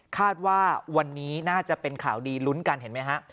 คาดว่าวันนี้น่าจะเป็นข่าวดีลุ้นกันเห็นไหมฮะ